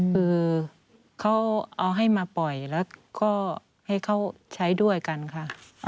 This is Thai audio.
คือเขาเอาให้มาปล่อยแล้วก็ให้เขาใช้ด้วยกันค่ะ